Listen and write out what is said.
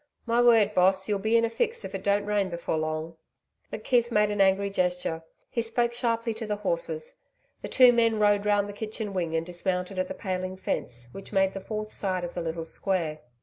My word, Boss, you'll be in a fix if it don't rain before long.' McKeith made an angry gesture. He spoke sharply to the horses. The two men rode round the kitchen wing and dismounted at the paling fence, which made the fourth side of the little square.